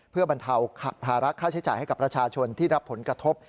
เพื่อบรรเทาภาระค่าใช้จ่ายให้กับประชาชนที่รับผลกระทบ